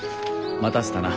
待たせたな。